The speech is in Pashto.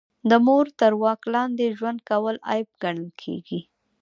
د مور تر واک لاندې ژوند کول عیب ګڼل کیږي